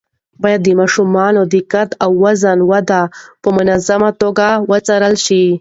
باید د ماشومانو د قد او وزن وده په منظمه توګه وڅارل شي.